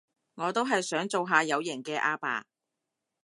我都係想做下有型嘅阿爸